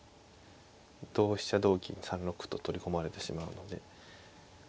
同飛車同金３六歩と取り込まれてしまうので。